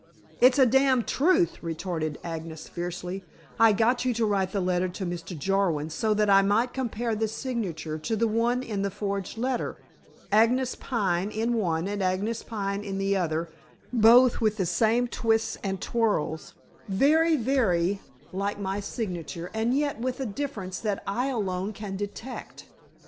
"It's a damned truth," retorted Agnes fiercely. "I got you to write the letter to Mr. Jarwin so that I might compare the signature to the one in the forged letter. Agnes Pine in one and Agnes Pine in the other, both with the same twists and twirls very, very like my signature and yet with a difference that I alone can detect.